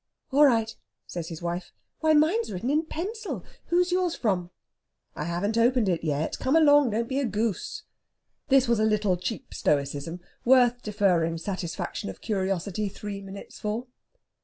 "All right!" says his wife. "Why, mine's written in pencil! Who's yours from?" "I haven't opened it yet. Come along. Don't be a goose!" This was a little cheap stoicism, worth deferring satisfaction of curiosity three minutes for.